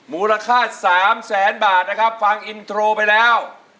มูลค่า๓แสนบาทนะครับฟังอินโทรไปแล้ว